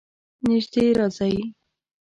نژدې راځئ